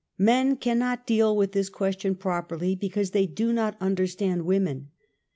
Men cannot deal with this question properly, be cause they do^oLnnderstand women.